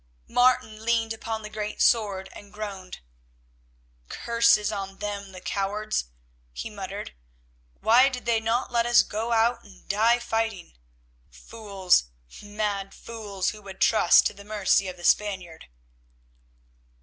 Martin leaned upon the great sword and groaned. "Curses on them, the cowards," he muttered; "why did they not let us go out and die fighting? Fools, mad fools, who would trust to the mercy of the Spaniard."